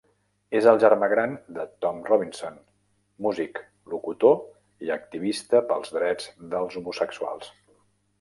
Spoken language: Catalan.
És el germà gran de Tom Robinson, músic, locutor i activista pels drets dels homosexuals.